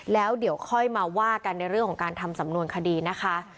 แล้วเดี๋ยวค่อยมาว่ากันในเรื่องของการทำสำนวนคดีนะคะ